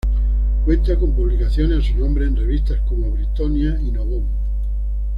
Cuenta con publicaciones a su nombre en revistas como "Brittonia" y "Novon".